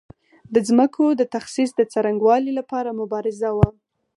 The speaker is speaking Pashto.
د ځمکو د تخصیص د څرنګوالي لپاره مبارزه وه.